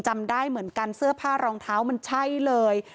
จำได้เหมือนกันเสื้อผ้ารองเท้ามันใช่เลย